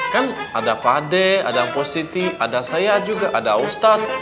kan ada pak dea ada pak siti ada saya juga ada ustadz